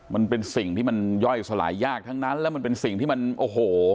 มันเป็นสิ่งที่มันย่อยสลายยากทั้งนั้นแล้วมันเป็นสิ่งที่มันโอ้โห